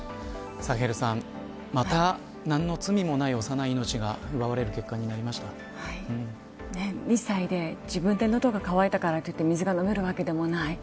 サヘルさんまた何の罪もない幼い命が２歳で、自分で喉が渇いたからといって自分で飲めるわけでもない。